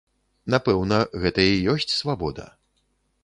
Напэўна, гэта і ёсць свабода.